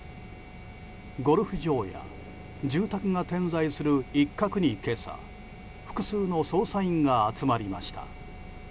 ゴルフ場や住宅が点在する一角に、今朝複数の捜査員が集まりました。